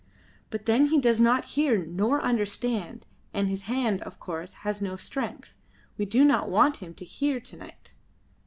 "But then he does not hear, nor understand, and his hand, of course, has no strength. We do not want him to hear to night."